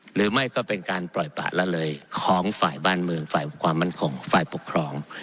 หรือไม่ก็เป็นการปล่อยปะละเลยของฝ่ายบ้านเมืองฝ่ายความมั่นคงฝ่ายปกครอง